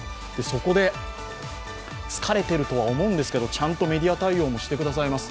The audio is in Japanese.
そこで疲れているとは思うんですけどちゃんとメディア対応もしてくださいます。